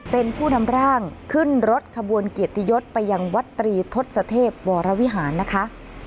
เป็นผู้นำร่างขึ้นรถขบวนเกียรติยศไปยังวัดตรีทศเทพวรวิหารนะคะ